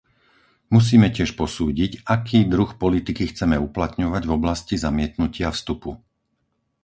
Musíme tiež posúdiť, aký druh politiky chceme uplatňovať v oblasti zamietnutia vstupu.